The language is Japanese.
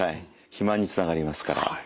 肥満につながりますから。